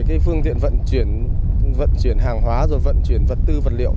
cái phương tiện vận chuyển hàng hóa rồi vận chuyển vật tư vật liệu